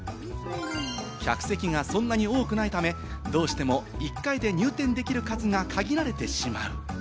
客席がそんなに多くないため、どうしても１回で入店できる数が限られてしまう。